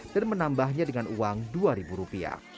dan menambahnya dengan uang dua rupiah